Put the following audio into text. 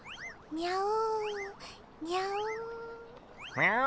にゃお。